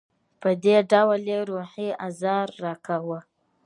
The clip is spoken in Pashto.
په دې ډول یې روحي آزار راکاوه.